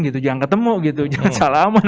gitu jangan ketemu gitu jangan salaman